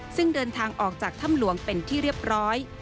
ซึ่งเดินทางออกจากถ้ำหลวงเป็นที่เรียบร้อย